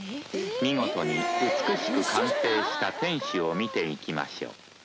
見事に美しく完成した天守を見ていきましょう。